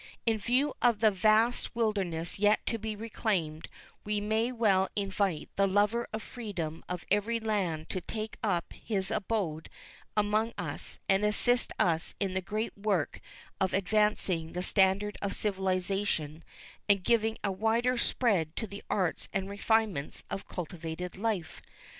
In view of the vast wilderness yet to be reclaimed, we may well invite the lover of freedom of every land to take up his abode among us and assist us in the great work of advancing the standard of civilization and giving a wider spread to the arts and refinements of cultivated life.